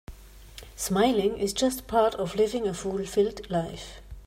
Smiling is just part of living a fulfilled life.